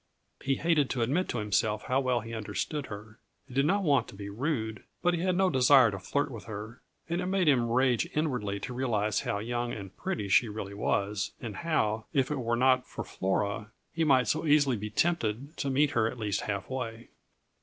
He hated to admit to himself how well he understood her. He did not want to be rude, but he had no desire to flirt with her, and it made him rage inwardly to realize how young and pretty she really was, and how, if it were not for Flora, he might so easily be tempted to meet her at least halfway.